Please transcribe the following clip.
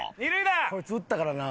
こいつ打ったからな。